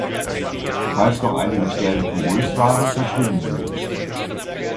Falls noch einige Stellen porös waren, verschwinden sie jetzt.